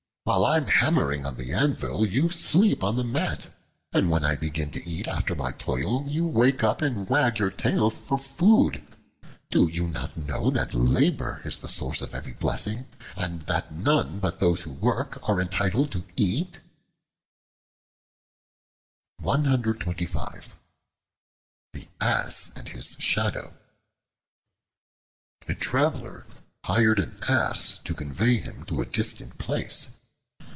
While I am hammering on the anvil, you sleep on the mat; and when I begin to eat after my toil, you wake up and wag your tail for food. Do you not know that labor is the source of every blessing, and that none but those who work are entitled to eat?" The Ass and His Shadow A TRAVELER hired an Ass to convey him to a distant place.